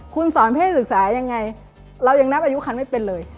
คุณสอนเพศศึกษายังไงเรายังนับอายุคันไม่เป็นเลย